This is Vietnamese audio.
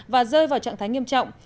và rơi vào trạng thái nghiêm trọng